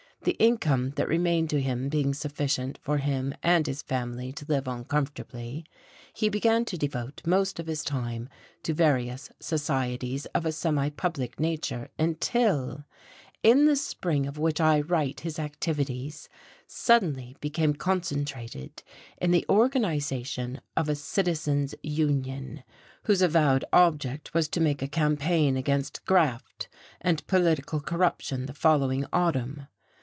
The income that remained to him being sufficient for him and his family to live on comfortably, he began to devote most of his time to various societies of a semipublic nature until in the spring of which I write his activities suddenly became concentrated in the organization of a "Citizens Union," whose avowed object was to make a campaign against "graft" and political corruption the following autumn.